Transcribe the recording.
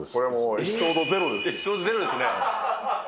エピソード０ですね。